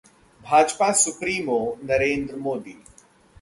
Bhajpa supremo Narendra Modi